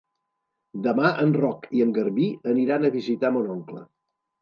Demà en Roc i en Garbí aniran a visitar mon oncle.